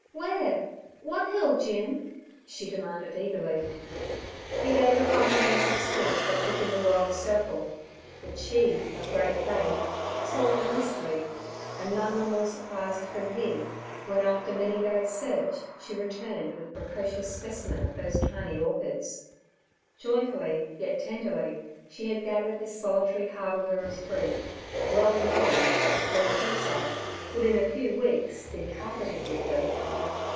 'Where? What hill, Jim?' she demanded eagerly. He gave a comprehensive sweep that took in the world's circle. But she, of great faith, sought earnestly, and none were more surprised than he, when, after many days' search, she returned with a precocious specimen of those tiny orchids. Joyfully, yet tenderly, she had gathered this solitary harbinger of spring, well knowing that the cold hillside would in a few weeks be carpeted with them.